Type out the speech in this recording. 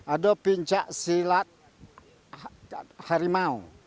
ada pencak silat harimau